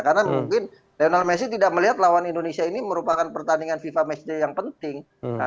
karena mungkin lionel messi tidak melihat lawan indonesia ini merupakan pertandingan fifa mexico yang penting